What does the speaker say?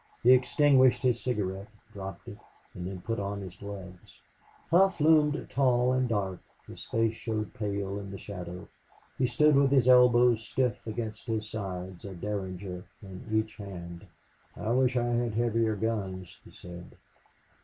He extinguished his cigarette, dropped it, then put on his gloves. Hough loomed tall and dark. His face showed pale in the shadow. He stood with his elbows stiff against his sides, a derringer in each hand. "I wish I had heavier guns," he said.